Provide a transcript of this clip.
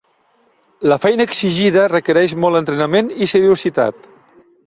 La feina exigida requereix molt entrenament i seriositat.